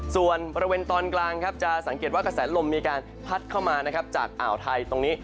ส่วนบริเวณตอนกลางจะสังเกตว่ากระแสลมมีการพัดเข้ามานะครับจากอ่าวไทยตรงนี้